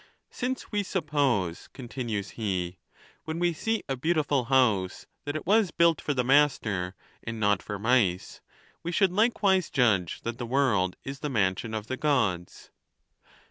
" Since we suppose," contin ues he, " when we see a beautiful house, that it was built for the master, and not for mice, we should likewise judge that the world is the mansion of the Gods."